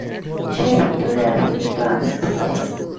সে ভিতরে আছে, কিন্তু আঘাত পেয়েছে।